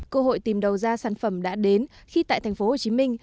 cơ hội tìm đầu ra sản phẩm đã đến khi tại tp hồ chí minh